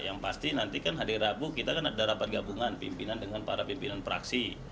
yang pasti nanti kan hari rabu kita kan ada rapat gabungan pimpinan dengan para pimpinan praksi